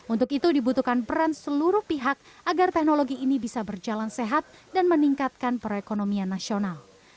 untuk itu dibutuhkan peran seluruh pihak agar teknologi ini bisa berjalan sehat dan meningkatkan perekonomian nasional